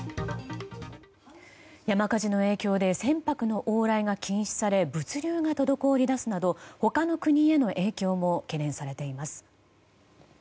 山火事の影響で船舶の往来が禁止され物流が滞りだすなど他の国への影響も懸念されています。